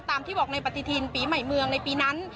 ที่บอกในปฏิทินปีใหม่เมืองในปีนั้น